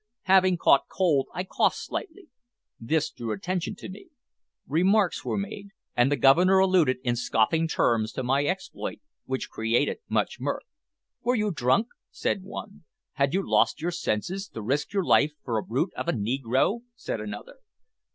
Having caught cold, I coughed slightly; this drew attention to me. Remarks were made, and the Governor alluded in scoffing terms to my exploit, which created much mirth. `Were you drunk?' said one. `Had you lost your senses, to risk your life for a brute of a negro?' said another.